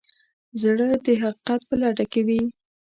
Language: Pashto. زړه د حقیقت په لټه کې وي.